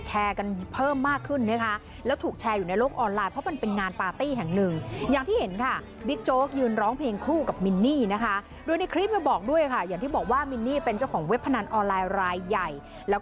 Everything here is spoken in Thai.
ใช่ค่ะคุณผู้ชมลองดูกันหน่อยกันนะคะ